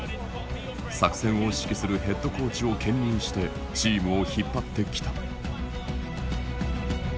作戦を指揮するヘッドコーチを兼任してチームを引っ張ってきた。